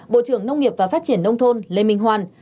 bộ trưởng nông nghiệp và phát triển nông thôn lê minh hoan